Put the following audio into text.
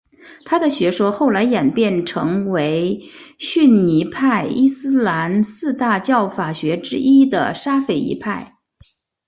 他的学说后来演变成为逊尼派伊斯兰四大教法学之一的沙斐仪派。